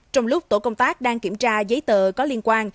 trong lúc tổ công tác đang kiểm tra giấy tờ có liên quan